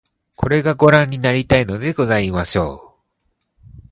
これが御覧になりたいのでございましょう